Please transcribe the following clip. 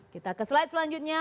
kita ke slide selanjutnya